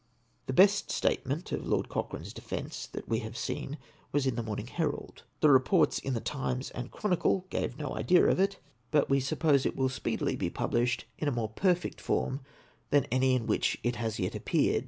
The best statement of Lord Cochrane's defence that we have seen was in the Morning Herald ; the reports in the Times and Chronicle gave no idea of it ; but we suppose it OPINIONS OF THE TEESS. 487 will speedily be published in a more perfect form tban any in which it has yet appeared.